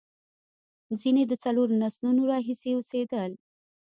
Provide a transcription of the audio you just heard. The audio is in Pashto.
ځینې د څلورو نسلونو راهیسې اوسېدل.